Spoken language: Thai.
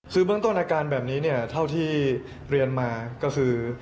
คือเบื้องต้นอาการแบบนี้เนี่ยเท่าที่เรียนมาก็คือ